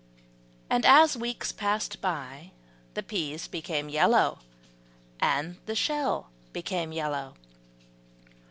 And as weeks passed by, the peas became yellow, and the shell became yellow.